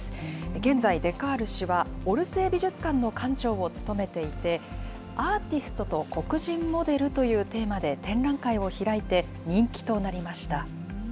現在、デカール氏は、オルセー美術館の館長を務めていて、アーティストと黒人モデルというテーマで展覧会を開いて、人気となりました。